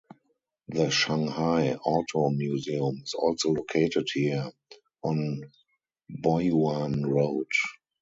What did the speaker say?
The Shanghai Auto Museum is also located here, on Boyuan Road.